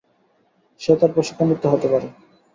সে তার প্রশিক্ষণার্থী হতে পারে।